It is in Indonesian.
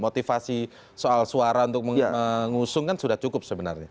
motivasi soal suara untuk mengusung kan sudah cukup sebenarnya